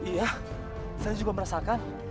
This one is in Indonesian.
iya saya juga merasakan